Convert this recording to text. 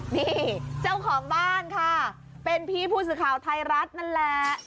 นี่เจ้าของบ้านค่ะเป็นพี่ผู้สื่อข่าวไทยรัฐนั่นแหละ